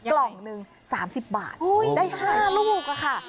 กล่องหนึ่ง๓๐บาทได้๕ลูกค่ะ